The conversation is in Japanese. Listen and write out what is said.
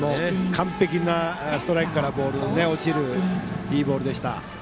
完璧なストライクからボールに落ちるいいボールでした。